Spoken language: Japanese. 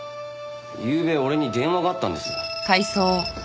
ゆうべ俺に電話があったんです。